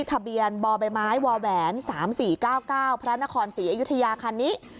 ทะเบียนบบว๓๔๙๙พระนครศรีอยุธยาคันนี้